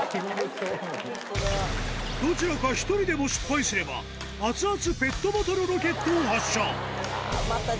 どちらか１人でも失敗すれば、熱々ペットボトルロケットを発射。